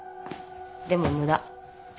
でも無駄。